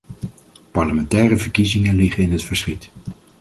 Parlementaire verkiezingen liggen in het verschiet.